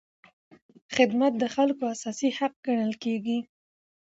خدمت د خلکو اساسي حق ګڼل کېږي.